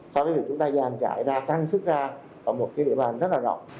so với việc chúng ta giảm cải ra căng sức ra vào một địa bàn rất là rộng